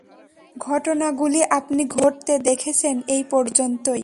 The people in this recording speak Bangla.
ঘটনাগুলি আপনি ঘটতে দেখেছেন এই পর্যন্তই।